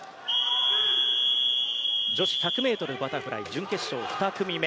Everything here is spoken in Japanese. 女子１００ｍバタフライ準決勝２組目。